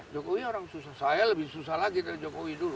jokowi orang susah saya lebih susah lagi dari jokowi dulu